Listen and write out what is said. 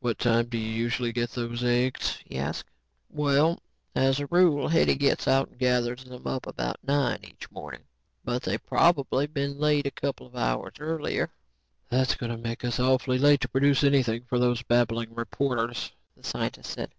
"What time do you usually get those eggs?" he asked. "Well, as a rule, Hetty gets out and gathers them up about nine each morning. But they've probably been laid a couple of hours earlier. "That's going to make us awfully late to produce anything for those babbling reporters," the scientist said.